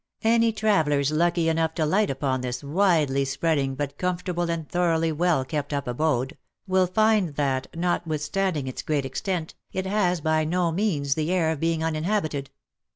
Any travellers lucky enough to light upon this widely spreading, but comfortable and thoroughly well kept up abode, will find that, notwithstanding its great extent, it has, by no means, the air of being uninhabited.